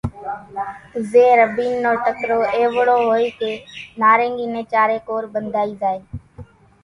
زين رڀين نو ٽڪرو ايوڙو ھوئي ڪي نارينگي نين چارين ڪور ٻنڌائي زائي۔